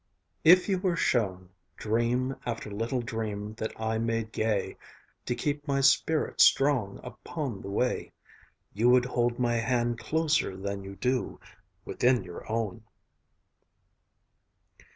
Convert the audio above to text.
If you were shown Dream after little dream that I made gay To keep my spirit strong upon the way, You would hold my hand closer than you do Within your own!